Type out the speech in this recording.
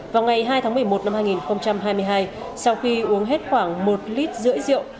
vào ngày hai tháng một mươi một năm hai nghìn hai mươi hai sau khi uống hết khoảng một lít rưỡi rượu